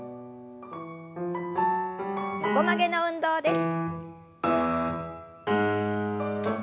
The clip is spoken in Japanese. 横曲げの運動です。